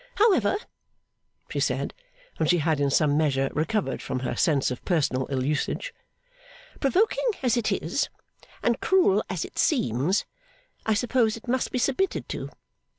'However,' she said, when she had in some measure recovered from her sense of personal ill usage; 'provoking as it is, and cruel as it seems, I suppose it must be submitted to.